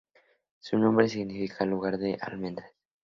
Su nombre significa "Lugar de las almendras".